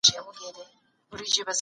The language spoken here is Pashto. هغه د علم په وسيله ستونزه حل کړه.